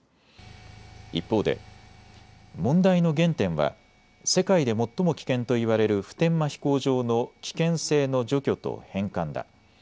一方で問題の原点は世界で最も危険と言われる普天間飛行場の危険性の除去と返還だ。